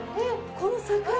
この境目。